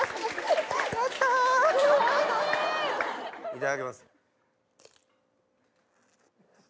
いただきます。